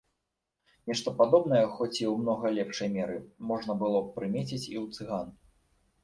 Нешта падобнае, хоць і ў многа лепшай меры, можна было прымеціць і ў цыган.